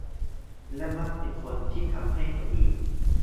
และมักเป็นคนที่ทำให้คนอื่น